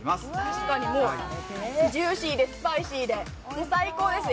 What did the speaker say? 確かに、ジューシーでスパイシーで最高です。